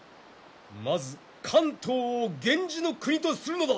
まず関東を源氏の国とするのだ。